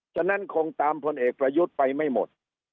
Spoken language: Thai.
ฉะนั้นคงตามพลเอกประยุทธ์ไปไม่หมด